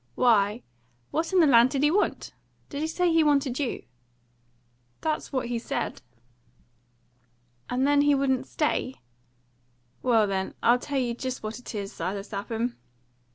"Why, what in the land did he want? Did he say he wanted you?" "That's what he said." "And then he wouldn't stay?" "Well, then, I'll tell you just what it is, Silas Lapham.